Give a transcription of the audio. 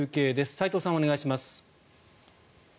齋藤さん、お願いします。